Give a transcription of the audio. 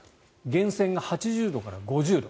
源泉が８０度から５０度。